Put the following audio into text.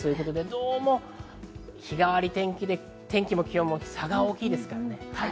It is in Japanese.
どうも日替わり天気で、天気も気温も差が大きいですからね。